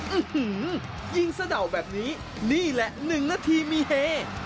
อื้อหือหือยิ่งเสด่าแบบนี้นี่แหละ๑นาทีมีเฮ